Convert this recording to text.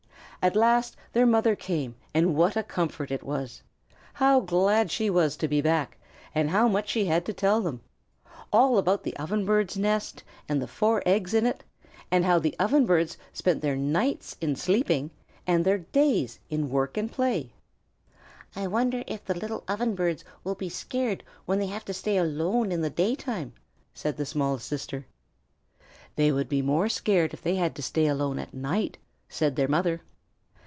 At last their mother came, and what a comfort it was! How glad she was to be back, and how much she had to tell them! All about the Ovenbird's nest and the four eggs in it, and how the Ovenbirds spent their nights in sleeping and their days in work and play. "I wonder if the little Ovenbirds will be scared when they have to stay alone in the daytime?" said the smallest sister. "They would be more scared if they had to stay alone at night," said their mother.